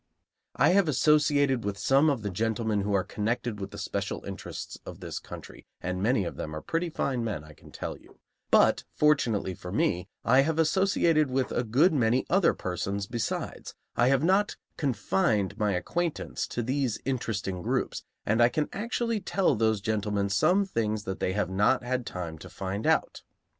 I have associated with some of the gentlemen who are connected with the special interests of this country (and many of them are pretty fine men, I can tell you), but, fortunately for me, I have associated with a good many other persons besides; I have not confined my acquaintance to these interesting groups, and I can actually tell those gentlemen some things that they have not had time to find out.